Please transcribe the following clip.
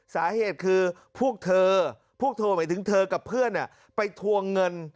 สาเหตุคือพวกเธอพวกเธอหมายถึงเธอกับเพื่อนไปทวงเงิน